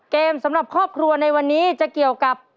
สำหรับครอบครัวในวันนี้จะเกี่ยวกับ